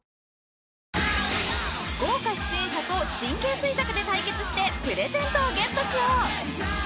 ［豪華出演者と神経衰弱で対決してプレゼントをゲットしよう］